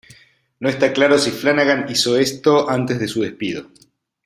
No está claro si Flanagan hizo esto antes de su despido.